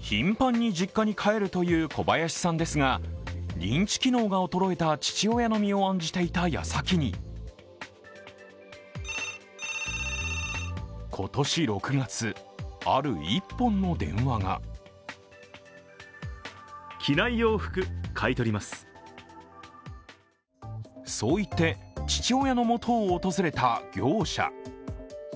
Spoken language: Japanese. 頻繁に実家に帰るという小林さんですが、認知機能が衰えた父親の身を案じていた矢先に今年６月、ある１本の電話がそう言って父親のもとを訪れた業者。